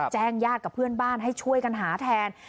ญาติกับเพื่อนบ้านให้ช่วยกันหาแทน